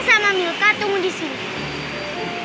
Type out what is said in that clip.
ah tunggu disini